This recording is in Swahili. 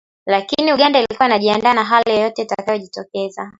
Lakini Uganda ilikuwa inajiandaa na hali yoyote itakayojitokeza.